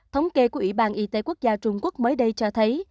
thống kê của ủy ban y tế quốc gia trung quốc mới đây cho thấy